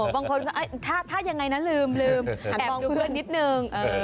บางคนก็ถ้ายังไงนะลืมแอบมองเพื่อนนิดนึง